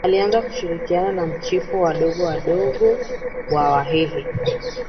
Alianza kushirikiana na machifu wadogo wadogo wa Wahehe